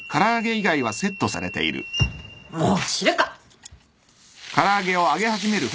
もう知るか！